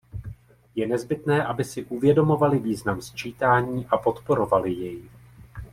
Je nezbytné, aby si uvědomovali význam sčítání a podporovali jej.